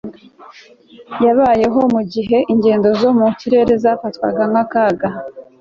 yabayeho mu gihe ingendo zo mu kirere zafatwaga nk'akaga